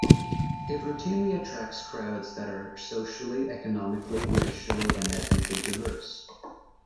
It routinely attracts crowds that are socially, economically, racially, and ethnically diverse.